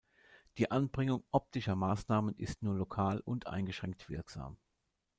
Die Anbringung optischer Maßnahmen ist nur lokal und eingeschränkt wirksam.